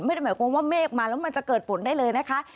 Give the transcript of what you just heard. ไม่ได้หมายความว่าเมฆมาแล้วมันจะเกิดฝนได้เลยนะคะ